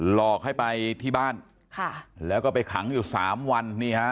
หลอกให้ไปที่บ้านค่ะแล้วก็ไปขังอยู่สามวันนี่ฮะ